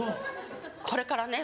これからね